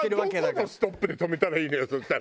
どこのストップで止めたらいいのよそしたら。